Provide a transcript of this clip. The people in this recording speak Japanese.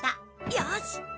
よし！